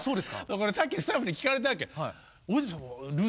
さっきスタッフに聞かれたわけ。